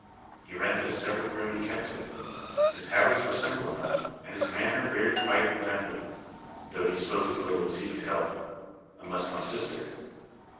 He rented a separate room and kept to it. His habits were simple enough, and his manner very quiet and friendly, though he spoke as little as he could help, unless to my sister.